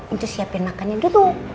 itu siapin makannya dulu